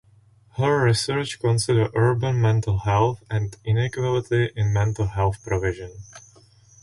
Her research consider urban mental health and inequality in mental health provision.